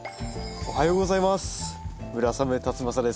おはようございます。